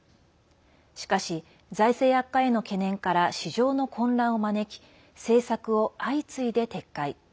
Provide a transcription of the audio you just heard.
しかし、財政悪化への懸念から市場の混乱を招き政策を相次いで撤回。